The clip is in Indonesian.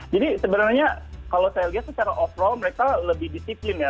jadi sebenarnya kalau saya lihat secara overall mereka lebih disiplin ya